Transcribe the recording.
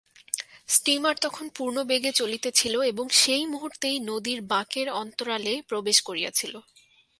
Steamer তখন পূর্ণবেগে চলিতেছিল এবং সেই মুহূর্তেই নদীর বাঁকের অন্তরালে প্রবেশ করিয়াছিল।